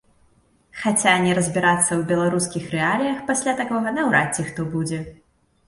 Хаця не разбірацца ў беларускіх рэаліях пасля такога наўрад ці хто будзе.